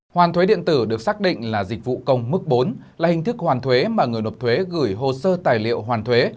hoàn thuế điện tử được xác định là dịch vụ công mức bốn là hình thức hoàn thuế mà người nộp thuế gửi hồ sơ tài liệu hoàn thuế